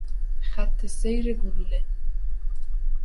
خط سیر گلوله